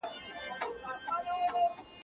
موږ نوي اقتصادي ماډل ته اړتیا لرو.